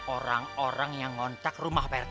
orang orang yang ngontrak rumah pak rt